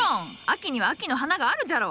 秋には秋の花があるじゃろ。